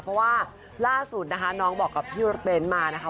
เพราะว่าล่าสุดนะคะน้องบอกกับพี่รถเบ้นมานะคะ